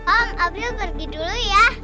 om abis itu pergi dulu ya